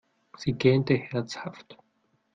Sie gähnte herzhaft.